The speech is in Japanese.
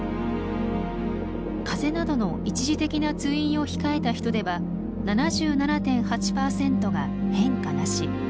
風邪などの一時的な通院を控えた人では７７．８％が変化なし。